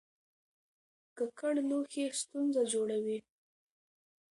ککړ لوښي ستونزه جوړوي.